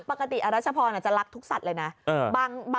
ออรัชพรจะรักทุกสัตว์เลยนะ